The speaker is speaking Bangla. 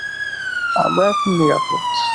আমরা এখন নিরাপদ।